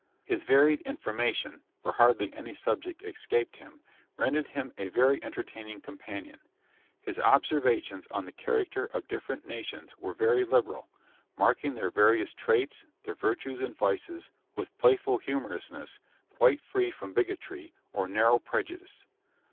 His varied information (for hardly any subject escaped him) rendered him a very entertaining companion. His observations on the character of different nations were very liberal; marking their various traits, their virtues and vices, with playful humorousness, quite free from bigotry, or narrow prejudice.